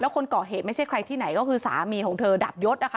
คนก่อเหตุไม่ใช่ใครที่ไหนก็คือสามีของเธอดาบยศนะคะ